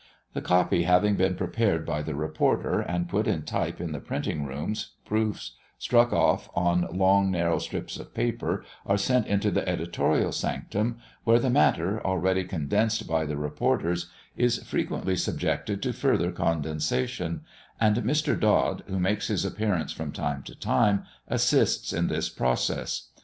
The "copy" having been prepared by the reporter, and put in type in the printing rooms, proofs, struck off on long, narrow slips of paper, are sent into the editorial sanctum, where the matter, already condensed by the reporters, is frequently subjected to further condensation; and Mr. Dod, who makes his appearance from time to time, assists in this process.